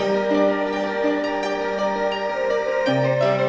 masak naik bogornya berom